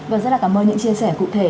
vâng rất là cảm ơn những chia sẻ cụ thể